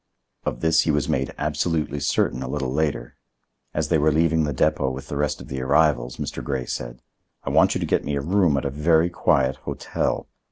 Of this he was made absolutely certain a little later. As they were leaving the depot with the rest of the arrivals, Mr. Grey said: "I want you to get me a room at a very quiet hotel.